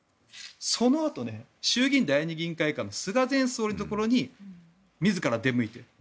そのあと衆議院第二議員会館の菅前総理のところに自ら出向いてる。